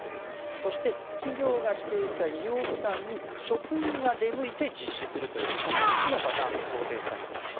そして、企業が指定した医療機関に職員が出向いて実施するというこの３つのパターンが想定されています。